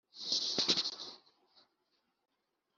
Komite y Abunzi ikorera